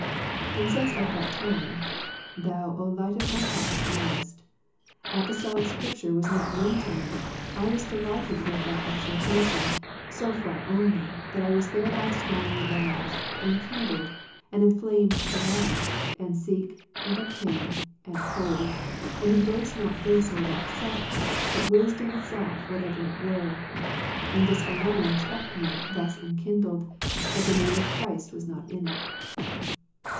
And since at that time (Thou, O light of my heart, knowest) Apostolic Scripture was not known to me, I was delighted with that exhortation, so far only, that I was thereby strongly roused, and kindled, and inflamed to love, and seek, and obtain, and hold, and embrace not this or that sect, but wisdom itself whatever it were ; and this alone checked me thus enkindled, that the name of Christ was not in it.